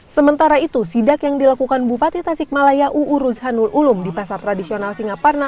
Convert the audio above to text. sementara itu sidak yang dilakukan bupati tasikmalaya uu ruzhanul ulum di pasar tradisional singaparna